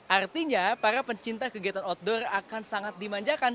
artinya para pencinta kegiatan outdoor akan sangat dimanjakan